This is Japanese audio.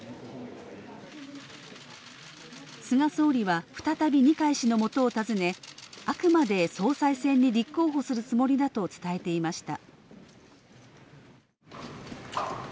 菅総理は、再び二階氏のもとを訪ねあくまでも総裁選に立候補するつもりだと伝えていました。